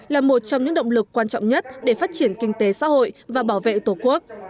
là một trong những động lực quan trọng nhất để phát triển kinh tế xã hội và bảo vệ tổ quốc